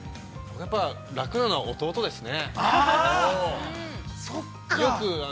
◆やっぱり、楽なのは弟ですね。